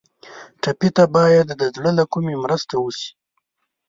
ټپي ته باید د زړه له کومي مرسته وشي.